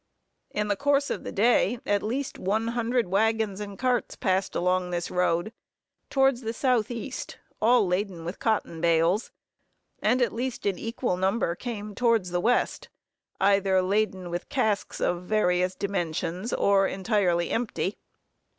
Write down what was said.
In the course of the day, at least one hundred wagons and carts passed along this road towards the south east, all laden with cotton bales; and at least an equal number came towards the west, either laden with casks of various dimensions, or entirely empty.